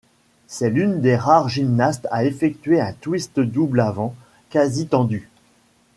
C'est l'une des rares gymnastes à effectuer un twiste double avant quasi tendu.